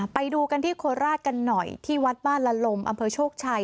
ไปดูกันที่โคราชกันหน่อยที่วัดบ้านละลมอำเภอโชคชัย